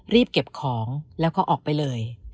รีบเก็บของแล้วก็ออกไปเลย